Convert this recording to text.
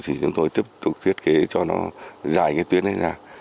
thì chúng tôi tiếp tục thiết kế cho nó dài cái tuyến này ra